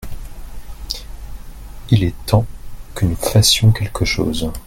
il est temps que nous fassions quelque chose.